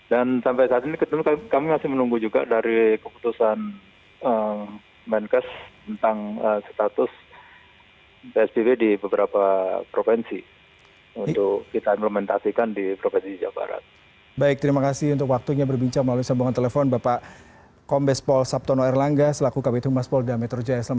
dan sampai saat ini kami masih menunggu juga dari keputusan menkes tentang status psbb di beberapa provinsi untuk kita implementasikan di provinsi jawa barat